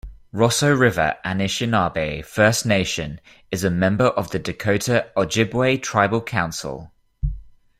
Roseau River Anishinabe First Nation is a member of the Dakota Ojibway Tribal Council.